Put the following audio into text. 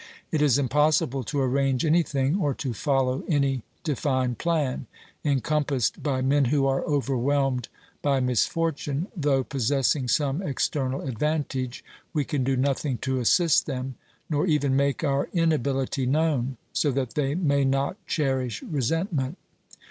It is impossible to arrange anything, or to follow any defined plan ; encompassed by men who are overwhelmed by misfortune, though possessing some external advantage, we can do nothing to assist them, nor even make our inability known, so that they may not cherish resentment.